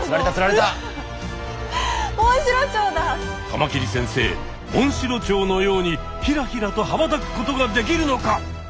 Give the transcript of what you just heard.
カマキリ先生モンシロチョウのようにひらひらとはばたくことができるのか？